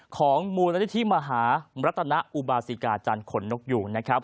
ของมูลนิธิมหารัตนอุบาสิกาจันทร์ขนนกยูงนะครับ